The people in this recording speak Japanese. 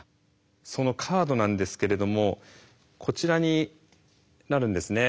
そのカードなんですけれどもこちらになるんですね。